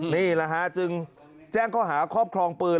นี่แหละฮะจึงแจ้งข้อหาครอบครองปืน